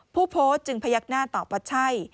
ผู้โพสต์จึงพยักหน้าตอบว่าใช่